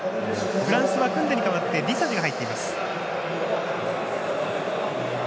フランスはクンデに代わりディザジが入っています。